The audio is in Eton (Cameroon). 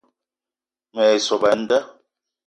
Me ye sop a nda